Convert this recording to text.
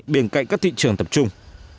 bên cạnh các thị trường tập trung